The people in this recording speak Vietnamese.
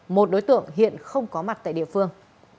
một đối tượng hiện không có mặt tại địa phương